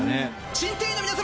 珍定員の皆様